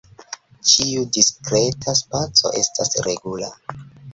Ĉiu diskreta spaco estas regula.